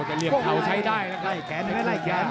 แต่เหลี่ยมเขาใช้ได้นะ